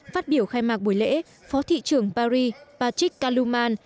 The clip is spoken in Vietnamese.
phát biểu khai mạc buổi lễ phó thị trưởng paris patrick kaluman